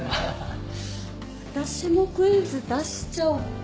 私もクイズ出しちゃおっかな。